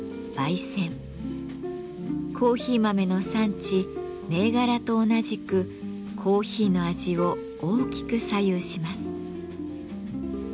コーヒー豆の産地銘柄と同じくコーヒーの味を大きく左右します。